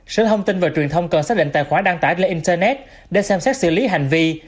sở thông tin và truyền thông cần xác định tài khoản đăng tải lên internet để xem xét xử lý hành vi